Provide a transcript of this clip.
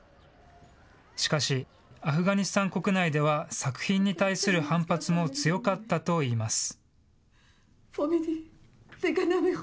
しかし、アフガニスタン国内では作品に対する反発も強かったといいます。